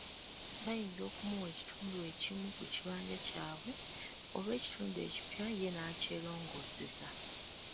Bayinza okumuwa ekitundu ekimu ku kibanja kyabwe, oba ekitundu ekipya ye n'akyeroongooseza.